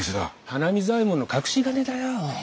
花水左衛門の隠し金だよ。